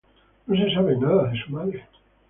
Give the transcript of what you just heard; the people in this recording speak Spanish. No se sabe nada de su madre.